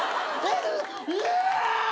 うわ！